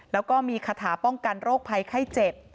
แล้วก็มีคาถาป้องกันโรคภัยไข้เจ็บ